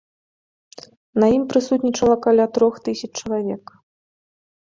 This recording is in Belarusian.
На ім прысутнічала каля трох тысяч чалавек.